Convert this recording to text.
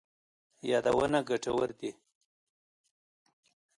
یادونه ګټور دي.